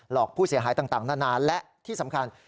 อกผู้เสียหายต่างนานาและที่สำคัญ